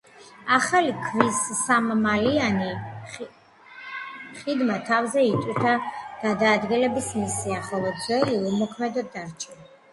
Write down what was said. ახალი ქვის სამმალიანი ხიდმა თავზე იტვირთა გადაადგილების მისია ხოლო ძველი უმოქმედოდ დარჩა.